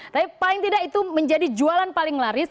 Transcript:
tapi paling tidak itu menjadi jualan paling laris